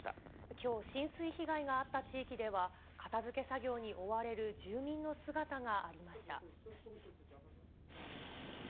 きょう、浸水被害があった地域では、片づけ作業に追われる住民の姿がありました。